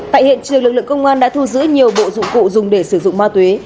tại hiện trường lực lượng công an đã thu giữ nhiều bộ dụng cụ dùng để sử dụng ma túy